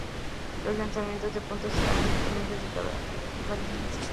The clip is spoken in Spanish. Los lanzamientos de puntos estarán disponibles cada varios meses.